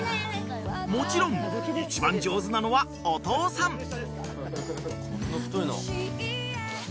［もちろん一番上手なのはお父さん］